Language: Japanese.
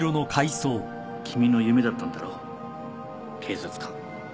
君の夢だったんだろ警察官